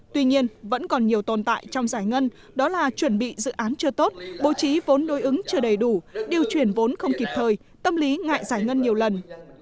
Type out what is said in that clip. tuy nhiên vẫn còn nhiều tồn tại trong giải ngân đó là chuẩn bị dự án chưa tốt bố trí vốn đối ứng chưa đầy đủ điều chuyển vốn không kịp thời tâm lý ngại giải ngân nhiều lần